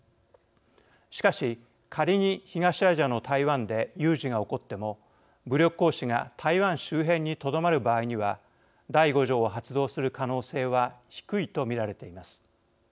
しかし仮に東アジアの台湾で有事が起こっても武力行使が台湾周辺にとどまる場合には第５条を発動する可能性は低いと見られています。